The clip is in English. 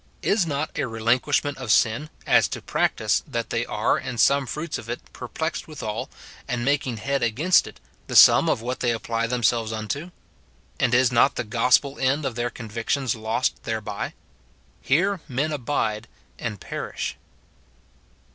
Is not a relinquishment of the sin, as to practice, that they are, in some fruits of it, perplexed withal, and making head against it, the sum of what they apply themselves unto ? and is not the gos pel end of their convictions lost thereby ? Here men abide and perish.